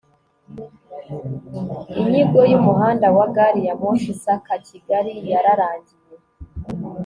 inyigo y'umuhanda wa gari ya moshi isaka-kigali yararangiye